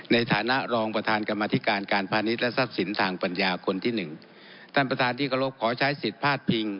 ในฐานะรองประธานกรรมธิการการพาณิชย์และทรัพย์สินทางปัญญาคนที่หนึ่งท่านประธานที่เคารพขอใช้สิทธิ์พาดพิง